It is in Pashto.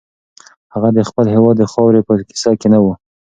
هغه د خپل هېواد د خاورې په کیسه کې نه و.